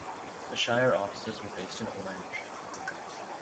The shire offices were based in Orange.